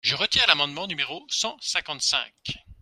Je retire l’amendement numéro cent cinquante-cinq.